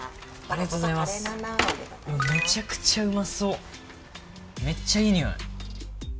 めちゃくちゃうまそう、めっちゃいい匂い。